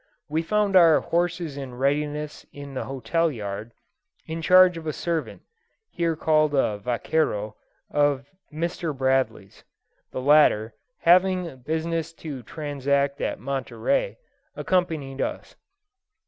We found our horses in readiness in the hotel yard, in charge of a servant (here called a vaquero) of Mr. Bradley's. The latter, having business to transact at Monterey, accompanied us.